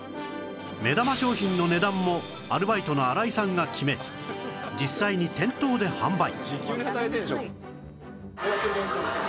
目玉商品の値段もアルバイトの新井さんが決め実際に店頭で販売